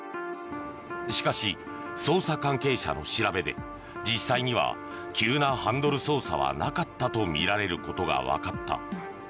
しかし、捜査関係者の調べで実際には急なハンドル操作はなかったとみられることがわかった。